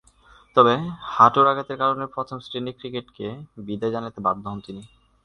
তবে, হাঁটুর আঘাতের কারণে প্রথম-শ্রেণীর ক্রিকেটকে বিদায় জানাতে বাধ্য হন তিনি।